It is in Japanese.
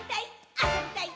あそびたい！